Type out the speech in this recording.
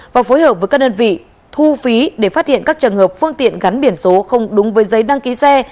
và phối hợp với các đơn vị thu phí để phát hiện các trường hợp phương tiện gắn biển số không đúng với giấy đăng ký xe